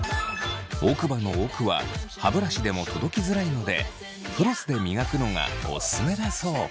奥歯の奥は歯ブラシでも届きづらいのでフロスで磨くのがオススメだそう。